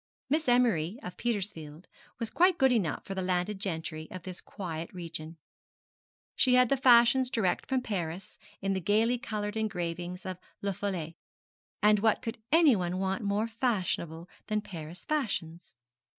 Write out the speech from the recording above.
Miss Emery, of Petersfield, was quite good enough for the landed gentry of this quiet region. She had the fashions direct from Paris in the gaily coloured engravings of Le Follet, and what could anyone want more fashionable than Paris fashions?